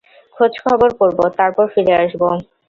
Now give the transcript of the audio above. খোঁজখবর করব, তারপর ফিরে আসব।